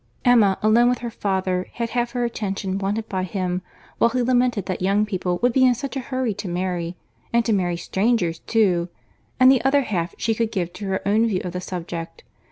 Emma, alone with her father, had half her attention wanted by him while he lamented that young people would be in such a hurry to marry—and to marry strangers too—and the other half she could give to her own view of the subject.